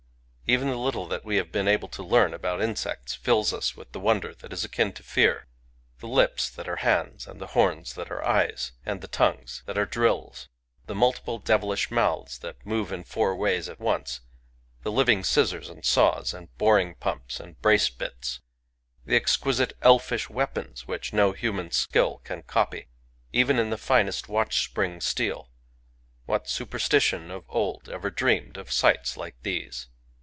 ... Even the little that we have been able to learn about insects fills us with the wonder that is akin to fear. The lips that are hands, and the horns that are eyes, and the tongues that are drills ; the multiple devilish mouths that move in four ways at once; the living scissors and saws and boring pumps and brace bits ; the exquisite elfish weapons which no human skill can copy, even in the finest watch spring steel — what superstition of old ever dreamed of sights like these?